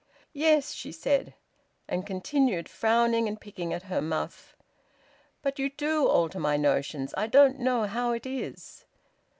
"Yes," she said, and continued, frowning and picking at her muff: "But you do alter my notions, I don't know how it is...